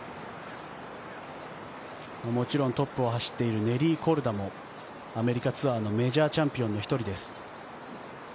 もちろんトップを走っているネリー・コルダもアメリカツアーのメジャーチャンピオンの１人です。